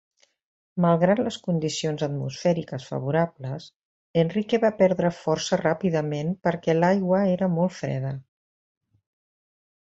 Malgrat les condicions atmosfèriques favorables, Enrique va perdre força ràpidament perquè l"aigua era molt freda.